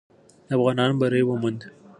افغانانو بری وموند.